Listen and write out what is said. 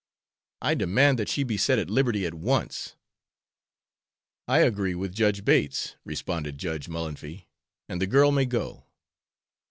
I demand that she be set at liberty at once!" "I agree with Judge Bates," responded Judge Mullanphy, "and the girl may go!"